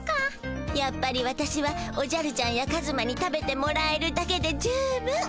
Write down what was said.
やっぱり私はおじゃるちゃんやカズマに食べてもらえるだけで十分。